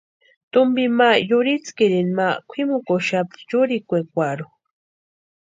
Tumpi ma yutskirini ma kwʼimukuxapti churikwekwarhu.